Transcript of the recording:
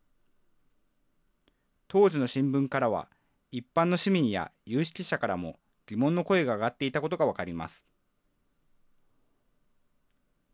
当時の新聞からは、一般の市民や有識者からも、疑問の声が上がっていたことが分かります。